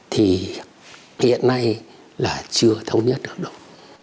thì hiện nay là chưa thống nhất được đâu